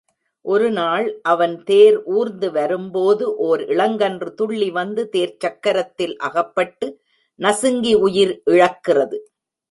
ஒருநாள் அவன் தேர் ஊர்ந்து வரும்போது ஓர் இளங்கன்று துள்ளி வந்தது தேர்ச்சக்கரத்தில் அகப்பட்டு நசுங்கி உயிர் இழக்கிறது.